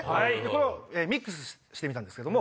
これをミックスしてみたんです。